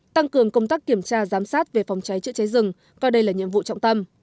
tăng cường công tác kiểm tra giám sát về phòng cháy chữa cháy rừng coi đây là nhiệm vụ trọng tâm